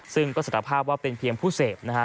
ซึ่งก็สารภาพว่าเป็นเพียงผู้เสพนะฮะ